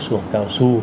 sửa cao su